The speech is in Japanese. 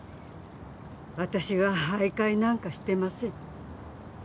私は徘徊なんかしてません。